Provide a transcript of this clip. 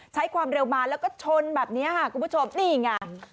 ใช้ความเร็วมาแล้วก็ชนแบบนี้ค่ะคุณผู้ชมนี่ไง